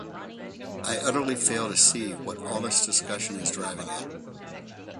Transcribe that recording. I utterly fail to see what all this discussion is driving at.